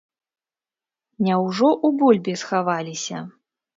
Няўжо ў бульбе схаваліся?